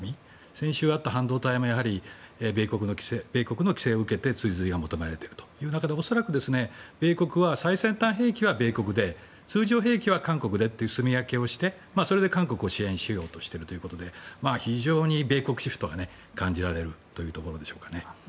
先週あった半導体も米国の規制を受けて追随を求められているという中で恐らく米国は最先端兵器は米国で通常兵器は韓国でというすみ分けをしてそれで韓国を支援しようとしているということで非常に米国シフトが感じられるというところでしょうかね。